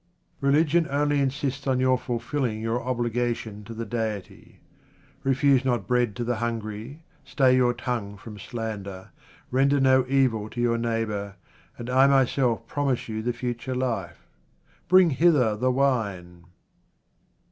Religion only insists on your fulfilling your obligation to the Deity. Refuse not bread to the hungry, stay your tongue from slander, render no evil to your neighbour, and I myself promise you the future life. Bring hither the wine